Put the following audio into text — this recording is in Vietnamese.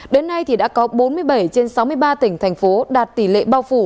đến nay thì đã có bốn mươi bảy trên sáu mươi ba tỉnh thành phố đạt tỷ lệ bao phủ